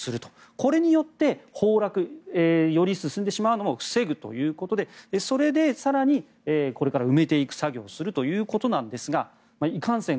これによって崩落がより進んでしまうのを防ぐということでそれで更にこれから埋めていく作業をしていくということですがいかんせん